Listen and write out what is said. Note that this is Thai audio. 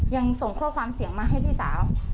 ยังส่งข้อความเสียงมาให้พี่สาว